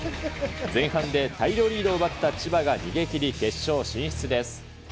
前半で大量リードを奪った千葉が逃げ切り、決勝進出です。